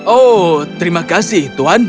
oh terima kasih tuan